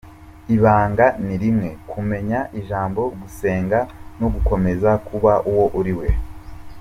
Ibanga ni rimwe, kumenya ijambo, gusenga no gukomeza kuba uwo uri we.